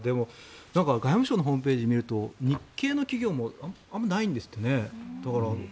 外務省のホームページを見ると日系の企業もあまりないんですってね。